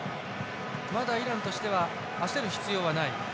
まだイランとしては焦る必要はない。